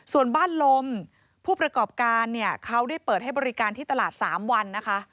ส่วนบ้านลมผู้ประกอบการเนี่ยเขาได้เปิดให้บริการที่ตลาด๓วันนะคะ